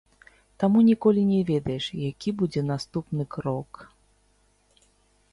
Таму ніколі не ведаеш, які будзе наступны крок.